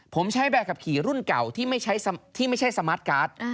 ผมใช้ใบขับขี่รุ่นเก่าที่ไม่ใช่สมาร์ทการ์ด